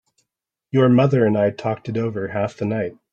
Your mother and I talked it over half the night.